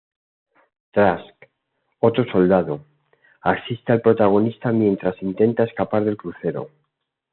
Trask, otro soldado, asiste al protagonista mientas intentan escapar del crucero.